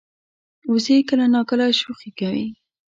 وزې کله ناکله شوخي کوي